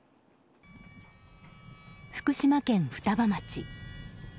福島県双葉町。